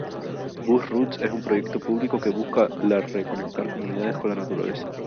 Bus Roots es un proyecto público que busca la re-conectar comunidades con la naturaleza.